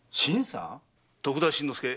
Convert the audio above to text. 徳田新之助